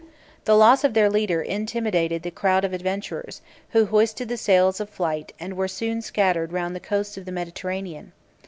The loss of their leader intimidated the crowd of adventurers, who hoisted the sails of flight, and were soon scattered round the coasts of the Mediterranean.